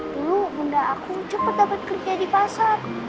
dulu bunda aku cepat dapat kerja di pasar